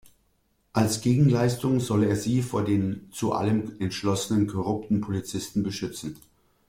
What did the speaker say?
Als Gegenleistung soll er sie vor den zu allem entschlossenen korrupten Polizisten beschützen.